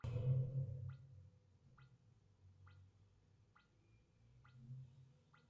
Una secuencia de instrucciones completa era conocida como "Display List" Lista de Despliegue.